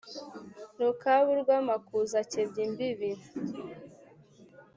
rukabu rw' amakuza akebye imbibi